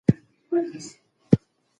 مور د ماشوم د خوب ارام ساتي.